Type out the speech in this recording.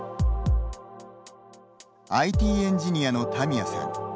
ＩＴエンジニアの田宮さん。